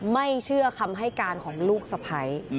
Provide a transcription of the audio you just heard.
ไม่เชื่อคำให้การของลูกสะพ้าย